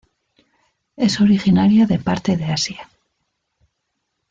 Es originaria de parte de Asia.